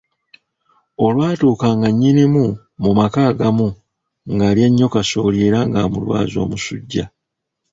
Olwatuuka nga nnyinimu mu maka agamu ng'alya nnyo kasooli era ng'amulwaza omusujja.